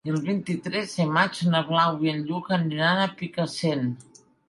El vint-i-tres de maig na Blau i en Lluc aniran a Picassent.